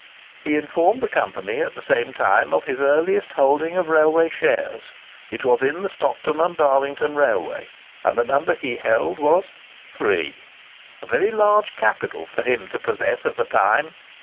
He informed the company, at the same time, of his earliest holding of railway shares; it was in the Stockton and Darlington Railway, and the number he held was three—"a very large capital for him to possess at the time."